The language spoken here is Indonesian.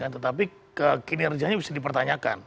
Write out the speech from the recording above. tetapi kinerjanya bisa dipertanyakan